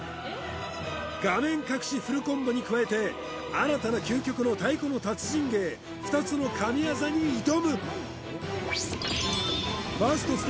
画面隠しフルコンボに加えて新たな究極の太鼓の達人芸２つの神業に挑む！